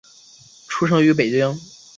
出生于北京。